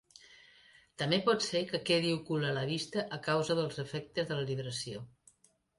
També pot ser que quedi ocult a la vista a causa dels efectes de la libració.